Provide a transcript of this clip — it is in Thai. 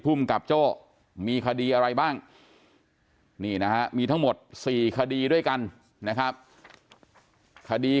ภูมิกับโจ้มีคดีอะไรบ้างนี่นะฮะมีทั้งหมด๔คดีด้วยกันนะครับคดี